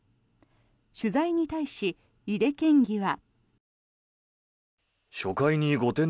取材に対し、井手県議は。